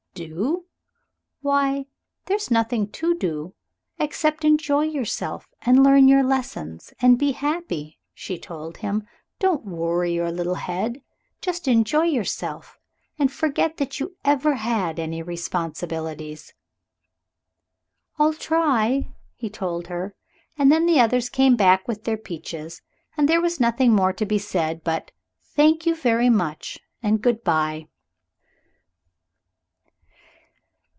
"Do? why, there's nothing to do except to enjoy yourself and learn your lessons and be happy," she told him. "Don't worry your little head. Just enjoy yourself, and forget that you ever had any responsibilities." "I'll try," he told her, and then the others came back with their peaches, and there was nothing more to be said but "Thank you very much" and good bye.